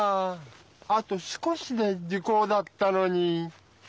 あと少しで時効だったのに。